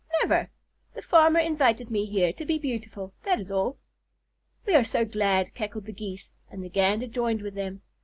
Never. The farmer invited me here to be beautiful, that is all." "We are so glad," cackled the Geese, and the Gander joined with them.